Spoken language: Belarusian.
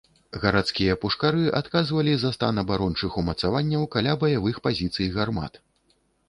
Гарадскія пушкары адказвалі за стан абарончых умацаванняў каля баявых пазіцый гармат.